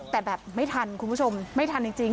แต่แบบไม่ทันคุณผู้ชมไม่ทันจริง